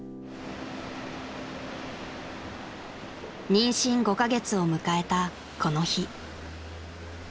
［妊娠５カ月を迎えたこの日］